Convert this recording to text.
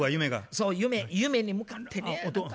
そう夢に向かってね何か。